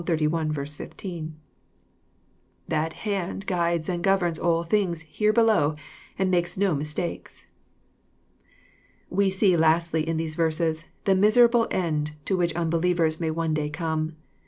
15.) That hand guides and governs all things here below, and makes no mistakes. V .^^''^*^ We see lastly, in these verses, the miserable end to which unbelievers may one day come.